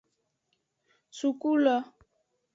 Suku lo.